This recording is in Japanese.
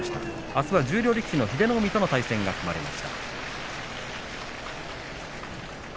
あすは十両力士の英乃海との対戦が組まれました。